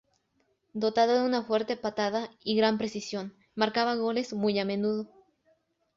Dotado de una fuerte patada y gran precisión, marcaba goles muy a menudo.